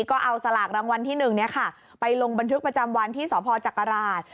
ก็เอาสลากรางวัลที่หนึ่งเนี้ยค่ะไปลงบันทึกประจำวันที่สอพอร์จักราช